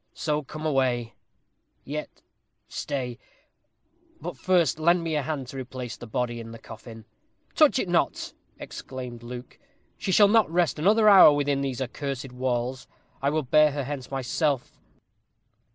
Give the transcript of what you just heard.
So come away; yet, stay; but first lend me a hand to replace the body in the coffin." "Touch it not," exclaimed Luke; "she shall not rest another hour within these accursed walls. I will bear her hence myself."